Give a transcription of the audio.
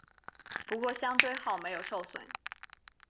不过香椎号没有受损。